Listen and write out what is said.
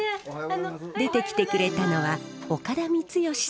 出てきてくれたのは岡田光義さん夫妻。